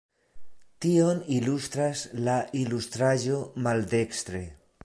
Tion ilustras la ilustraĵo maldekstre.